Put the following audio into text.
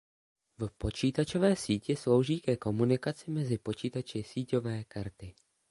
V počítačové síti slouží ke komunikaci mezi počítači síťové karty.